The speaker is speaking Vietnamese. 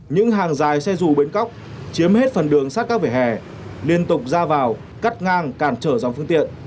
những hàng dài xe dù bến cóc chiếm hết phần đường sát các vỉa hè liên tục ra vào cắt ngang cản trở dòng phương tiện